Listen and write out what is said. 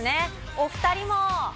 お２人も。